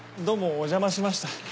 どうもおじゃましました。